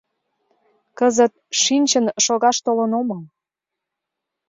— Кызыт шинчын шогаш толын омыл.